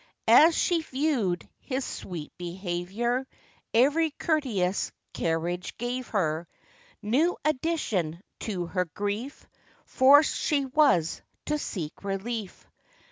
As she viewed his sweet behaviour, Every courteous carriage gave her New addition to her grief; Forced she was to seek relief.